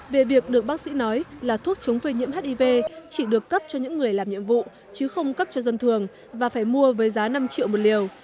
về việc được bác sĩ nói là thuốc chống phơi nhiễm hiv chỉ được cấp cho những người làm nhiệm vụ chứ không cấp cho dân thường và phải mua với giá năm triệu một liều